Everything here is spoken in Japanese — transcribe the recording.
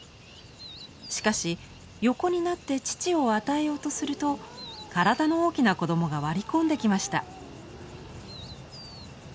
しかし横になって乳を与えようとすると体の大きな子供が割り込んできました。